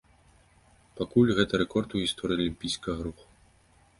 Пакуль гэта рэкорд у гісторыі алімпійскага руху.